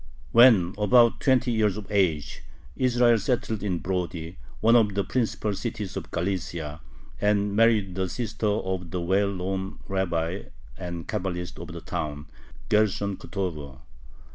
When about twenty years of age, Israel settled in Brody, one of the principal cities of Galicia, and married the sister of the well known rabbi and Cabalist of the town, Gershon Kutover.